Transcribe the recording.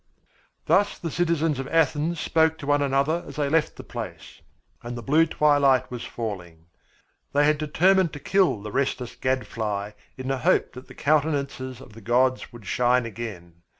Thus the citizens of Athens spoke to one another as they left the place, and the blue twilight was falling. They had determined to kill the restless gadfly in the hope that the countenances of the gods would shine again.